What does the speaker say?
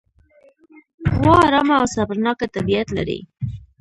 غوا ارامه او صبرناکه طبیعت لري.